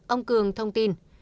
ông cường thông tin